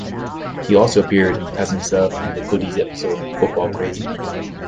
He also appeared, as himself, in "The Goodies" episode "Football Crazy".